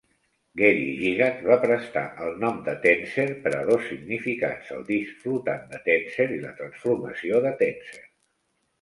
Gary Gygax "va prestar" el nom de Tenser per a dos significats, el "disc flotant de Tenser" i la "transformació de Tenser".